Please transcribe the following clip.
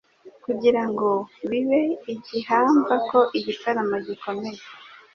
kugira ngo bibe igihamva ko igitambo gikomeye